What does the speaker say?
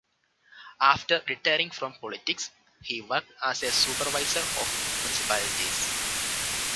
After retiring from politics, he worked as a supervisor of municipalities.